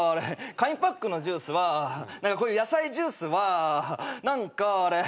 紙パックのジュースはこういう野菜ジュースは何かあれ。